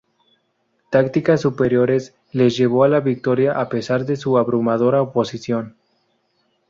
Tácticas superiores les llevó a la victoria a pesar de su abrumadora oposición.